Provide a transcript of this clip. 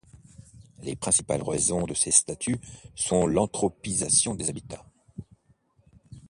Les principales raisons de ces statuts sont l'anthropisation des habitats.